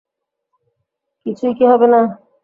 কিছুই কি হবে না?